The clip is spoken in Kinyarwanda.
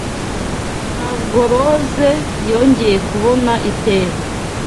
Ntabwo Loze yongeye kubona Iteka